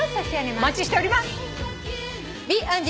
お待ちしております。